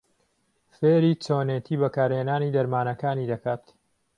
فێری چۆنێتی بهکارهێنانی دهرمانهکانی دهکات.